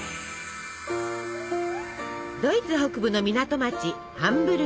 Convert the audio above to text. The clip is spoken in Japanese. ドイツ北部の港町ハンブルク。